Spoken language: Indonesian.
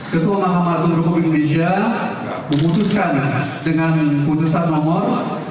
ketua mahkamah hantu republik indonesia memutuskan dengan putusan nomor satu ratus tujuh puluh